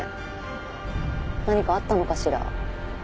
何かあったのかしら？